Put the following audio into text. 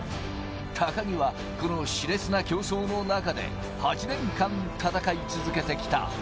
高木は、このしれつな競争の中で、８年間戦い続けてきた。